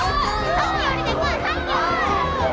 ・さっきよりでかい！